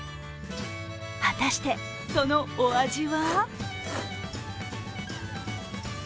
果たして、そのお味は？